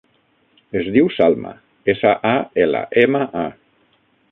Es diu Salma: essa, a, ela, ema, a.